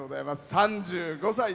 ３５歳。